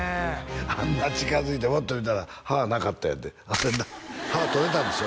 あんな近づいてワッと見たら歯なかったんやてあれな歯取れたんでしょ？